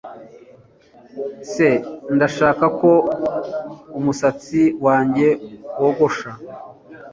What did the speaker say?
S Ndashaka ko umusatsi wanjye wogosha